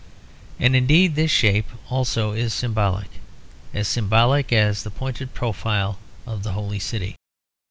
And indeed this shape also is symbolic; as symbolic as the pointed profile of the Holy City.